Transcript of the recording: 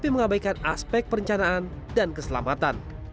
mengabaikan aspek perencanaan dan keselamatan